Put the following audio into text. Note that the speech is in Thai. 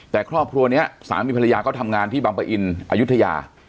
แต่ครอบครัวนี้สามีภรรยาก็ทำงานที่บังปะอินอายุทยา